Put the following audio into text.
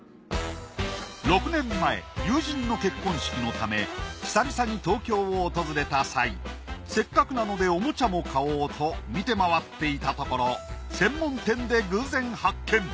６年前友人の結婚式のため久々に東京を訪れた際せっかくなのでおもちゃも買おうと見て回っていたところ専門店で偶然発見。